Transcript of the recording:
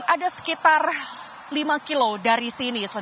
ada sekitar lima kilo dari sini